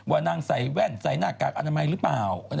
นางใส่แว่นใส่หน้ากากอนามัยหรือเปล่า